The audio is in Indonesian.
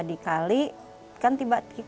kita menemukan north africa